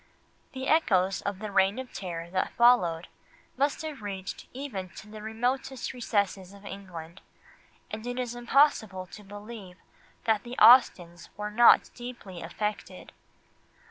The echoes of the Reign of Terror that followed must have reached even to the remotest recesses of England, and it is impossible to believe that the Austens were not deeply affected.